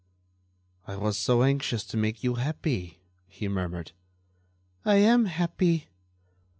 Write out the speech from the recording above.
"I was so anxious to make you happy," he murmured. "I am happy."